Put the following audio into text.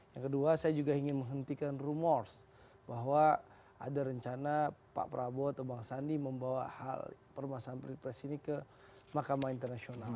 yang kedua saya juga ingin menghentikan rumors bahwa ada rencana pak prabowo atau bang sandi membawa hal permasalahan ini ke mahkamah internasional